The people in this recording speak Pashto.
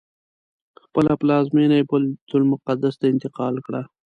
خپله پلازمینه یې بیت المقدس ته انتقال کړه.